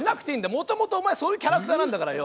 もともとお前そういうキャラクターなんだからよ。